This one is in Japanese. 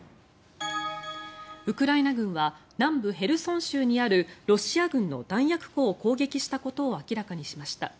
ウクライナ軍は南部ヘルソン州にあるロシア軍の弾薬庫を攻撃したことを明らかにしました。